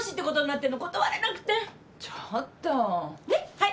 はい。